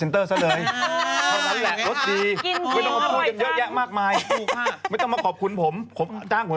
ทางลูกค้าเขายังกับคุณหนุ่มกินจริงมาก